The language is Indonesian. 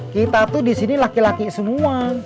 kita tuh disini laki laki semua